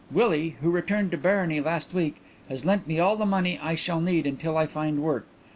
Willie, who returned to Barony last week, has lent me all the money I shall need until I find work.